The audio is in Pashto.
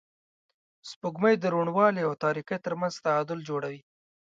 سپوږمۍ د روڼوالي او تاریکۍ تر منځ تعادل جوړوي